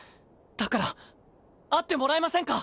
だから会ってもらえませんか？